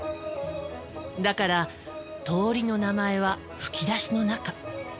だから通りの名前は吹き出しの中。